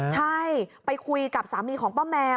ใช่ไปคุยกับสามีของป้าแมว